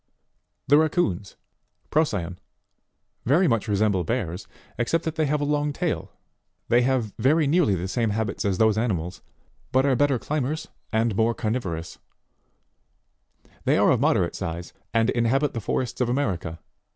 11. The RACKOONS Procyon, very much resemble bears, ex cept that they have a long tail ; they have very nearly the same habits as those animals, but are better climbers and more carnivo rous ; they are of moderate size, and inhabit the forests of America.